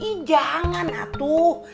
ih jangan atuh